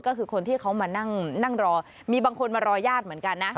ก็คือคนที่เขามานั่งรอมีบางคนมารอญาติเหมือนกันนะ